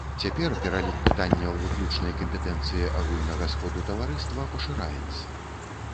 Цяпер пералік пытанняў выключнай кампетэнцыі агульнага сходу таварыства пашыраецца.